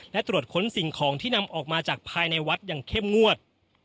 และตรวจค้นสิ่งของที่นำออกมาจากภายในวัดอย่างเข้มงวด